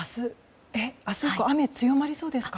明日以降雨は強まりそうですか？